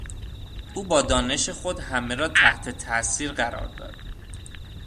او با دانش خود همه را تحت تاثیر قرار داد.